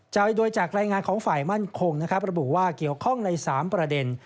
โดยจากรายงานของฝ่ายมั่นคงนะครับระบุว่าเกี่ยวข้องใน๓ประเด็น